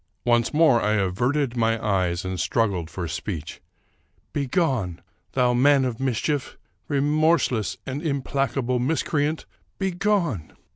Once more I averted my eyes and struggled for speech :—" Begone ! thou man of mischief ! Remorseless and im placable miscreant, begone